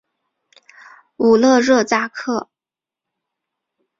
武勒热扎克。